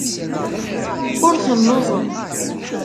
Ur telluẓem.